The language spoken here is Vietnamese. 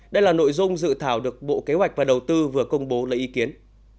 đây là nội dung dự thảo được bộ kế hoạch và đầu tư vừa công bố lấy ý kiến